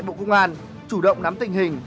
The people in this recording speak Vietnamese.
bộ công an chủ động nắm tình hình